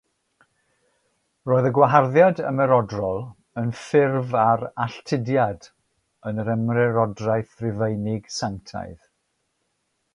Roedd y gwaharddiad ymerodrol yn ffurf ar alltudiad yn yr Ymerodraeth Rufeinig Sanctaidd.